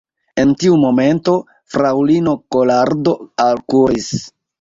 En tiu momento, fraŭlino Kolardo alkuris.